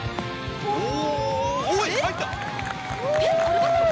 お！